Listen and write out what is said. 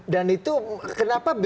dan itu kenapa